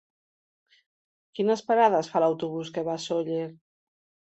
Quines parades fa l'autobús que va a Sóller?